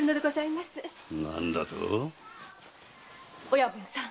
親分さん。